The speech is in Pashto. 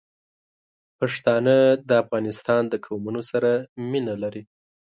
پښتانه د افغانستان د قومونو سره مینه لري.